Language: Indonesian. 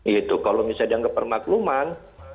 itu kalau misalnya dianggap permakluman